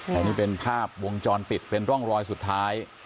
แต่นี่เป็นภาพวงจรปิดเป็นร่องรอยสุดท้าย